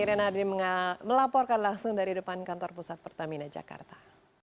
rina hadirin melaporkan langsung dari depan kantor pertamina jakarta